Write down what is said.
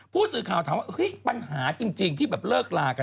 ผู้สื่อข่าวถามว่าเฮ้ยปัญหาจริงที่แบบเลิกลากัน